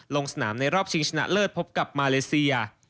ลงสนามในรอบชิงชนะเลิศพบกับมาเลเซีย